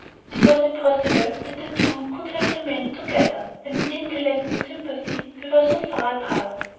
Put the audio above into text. It was impossible that the two could have remained together, when in intellect and sympathy they were so far apart.